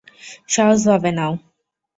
সহজ ভাবে নাও!